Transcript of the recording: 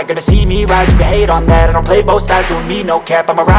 gue mau jalan jalan dulu aja